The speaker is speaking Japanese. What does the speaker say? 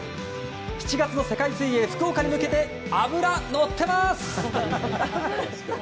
７月の世界水泳福岡に向け脂、のってます！